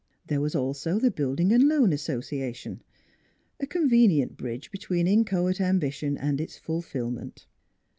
There was also the Building and Loan Association, a con venient bridge between inchoate ambition and its fulfillment.